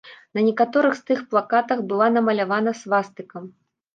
На некаторых з тых плакатах была намалёвана свастыка.